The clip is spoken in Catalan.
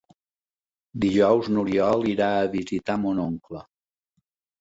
Dijous n'Oriol irà a visitar mon oncle.